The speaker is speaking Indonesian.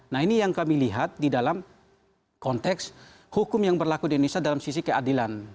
nah ini yang kami lihat di dalam konteks hukum yang berlaku di indonesia dalam sisi keadilan